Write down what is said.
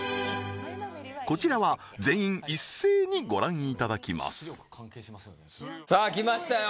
こちらは全員一斉にご覧いただきますさあ来ましたよ